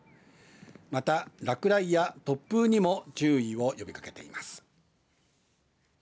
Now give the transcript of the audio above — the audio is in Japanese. また、落雷や突風にも注意を呼びかけています。